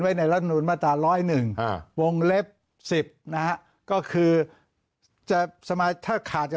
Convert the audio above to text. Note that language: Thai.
ไว้ในรัฐนุนมาตรา๑๐๑วงเล็บ๑๐นะก็คือจะสมาชิกถ้าขาดกับ